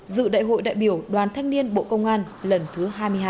dự đại hội đại biểu đoàn thanh niên bộ công an lần thứ hai mươi hai